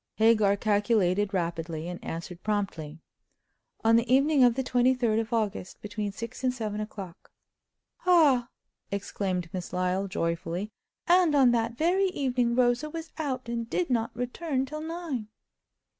Hagar calculated rapidly, and answered promptly: "On the evening of the 23d of August, between six and seven o'clock." "Ah!" exclaimed Miss Lyle, joyfully—"and on that very evening Rosa was out, and did not return till nine!"